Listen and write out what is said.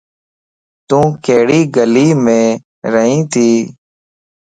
تون ڪھڙي گليم رئين تي؟